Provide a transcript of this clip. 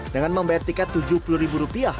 dengan membayar tiket rp tujuh puluh